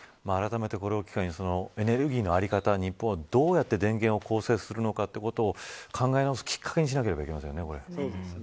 あらためて、これを機会にエネルギーの在り方日本はどう電源を構成するのかということを考えるきっかけにしなければいけませんね。